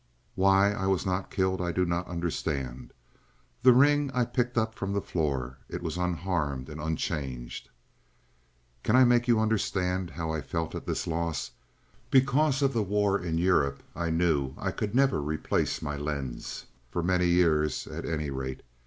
Why I was not killed I do not understand. The ring I picked up from the floor; it was unharmed and unchanged. "Can I make you understand how I felt at this loss? Because of the war in Europe I knew I could never replace my lens for many years, at any rate.